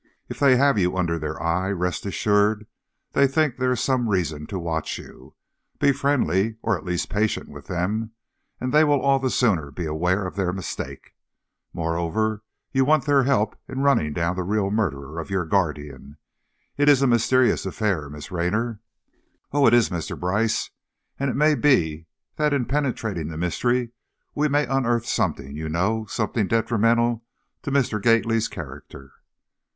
If they have you under their eye, rest assured they think there is some reason to watch you. Be friendly, or, at least patient with them, and they will all the sooner be aware of their mistake. Moreover, you want their help in running down the real murderer of your guardian. It is a mysterious affair, Miss Raynor." "Oh, it is, Mr. Brice, and it may be that in penetrating the mystery we may unearth something you know, something detrimental to Mr. Gately's character."